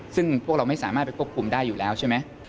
ซึ่งพวกเราไม่สามารถไปควบคุมได้อยู่แล้วใช่ไหม